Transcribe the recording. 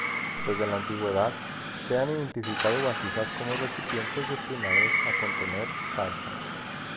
Desde la antigüedad se han identificado vasijas como recipientes destinados a contener salsas.